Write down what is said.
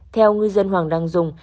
theo ngư dân hoàng đăng dung